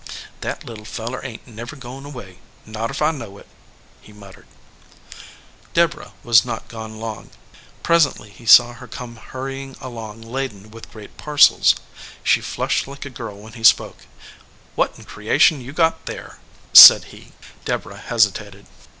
"That little feller ain t never goin away, not if I know it," he muttered. Deborah was not gone long. Presently he saw her come hurrying along laden with great parcels. She flushed like a girl when he spoke. "What in creation you got there?" said he. Deborah hesitated.